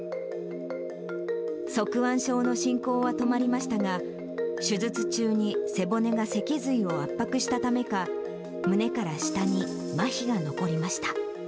側弯症の進行は止まりましたが、手術中に背骨が脊髄を圧迫したためか、胸から下にまひが残りました。